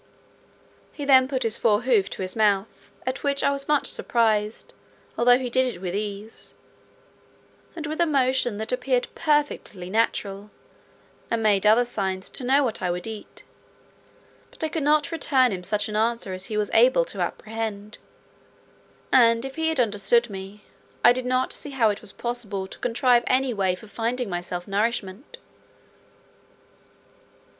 He then put his fore hoof to his mouth, at which I was much surprised, although he did it with ease, and with a motion that appeared perfectly natural, and made other signs, to know what I would eat; but I could not return him such an answer as he was able to apprehend; and if he had understood me, I did not see how it was possible to contrive any way for finding myself nourishment.